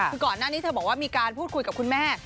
คือก่อนหน้านี้เธอบอกว่ามีการพูดคุยกับคุณแม่